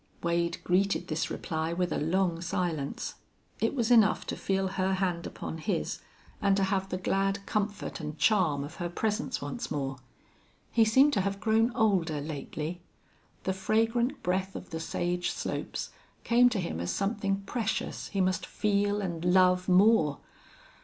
Wade greeted this reply with a long silence. It was enough to feel her hand upon his and to have the glad comfort and charm of her presence once more. He seemed to have grown older lately. The fragrant breath of the sage slopes came to him as something precious he must feel and love more.